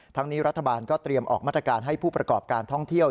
ทั้งนี้รัฐบาลก็เตรียมออกมาตรการให้ผู้ประกอบการท่องเที่ยว